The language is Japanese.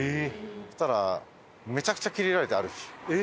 そしたらめちゃくちゃキレられてある日。